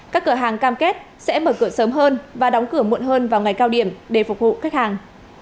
các cửa hàng cam kết sẽ mở cửa sớm hơn và đóng cửa muộn hơn vào ngày cao điểm để phục vụ khách hàng